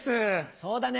そうだね。